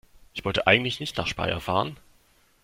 Ich wollte eigentlich nicht nach Speyer fahren